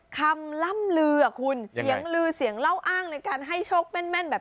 คำล่ำลือคุณเสียงลือเสียงเล่าอ้างในการให้โชคแม่นแบบ